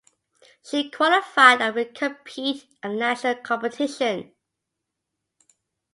She qualified and will compete at the national competition.